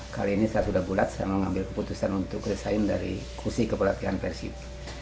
kali ini saya sudah bulat saya mengambil keputusan untuk resign dari kursi kepelatihan persib